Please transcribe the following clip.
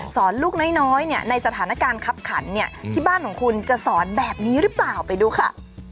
ลูกน้อยเนี่ยในสถานการณ์คับขันเนี่ยที่บ้านของคุณจะสอนแบบนี้หรือเปล่าไปดูค่ะ